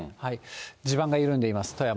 地盤が緩んでいます、富山。